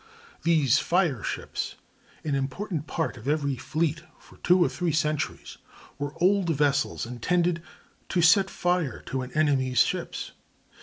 These fire ships—an important part of every fleet for two or three centuries—were old vessels intended to set fire to an enemy's ships.